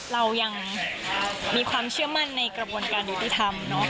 เรายังมีความเชื่อมั่นในกระบวนการยุติธรรม